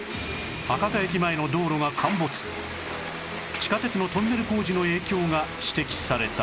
地下鉄のトンネル工事の影響が指摘された